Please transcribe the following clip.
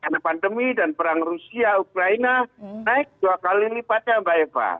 karena pandemi dan perang rusia ukraine naik dua kali lipatnya mbak eva